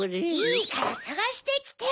いいからさがしてきて！